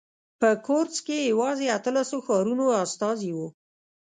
په کورتس کې یوازې اتلسو ښارونو استازي وو.